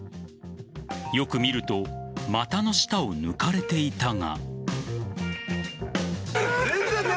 よく見ると股の下を抜かれていたが。